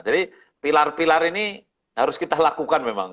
jadi pilar pilar ini harus kita lakukan memang